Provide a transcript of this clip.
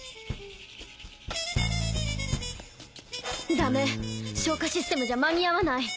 ダメ消火システムじゃ間に合わない。